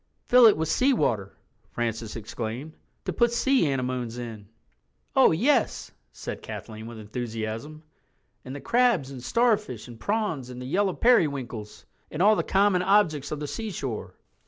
"Fill it with seawater," Francis explained, "to put sea anemones in." "Oh yes," said Kathleen with enthusiasm, "and the crabs and starfish and prawns and the yellow periwinkles—and all the common objects of the seashore."